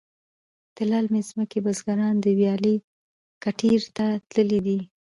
د للمې ځمکې بزگران د ویالې کټیر ته تللي دي.